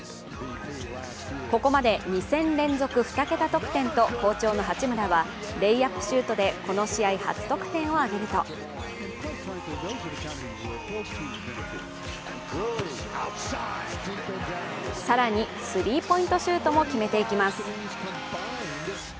ここまで２戦連続、２桁得点と好調の八村はレイアップシュートでこの試合、初得点を挙げると更にスリーポイントシュートも決めていきます